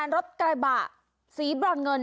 รถกระบะสีบรอนเงิน